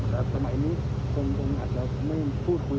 ครั้งหนึ่งครับในส่วนของในฐานะที่เราเป็นครับ